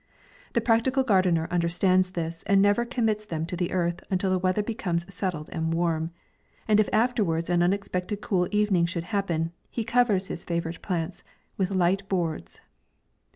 The practical gardener un derstands this, and never commits them to the earth until the weather becomes settled and warm, and if afterwards an unexpected cool evening should happen, he covers his favourite plants with light boards.